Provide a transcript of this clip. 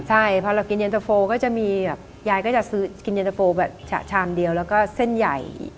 ใช่พอเรากินเย็นตะโฟก็จะมีแบบยายก็จะซื้อกินเย็นตะโฟแบบฉะชามเดียวแล้วก็เส้นใหญ่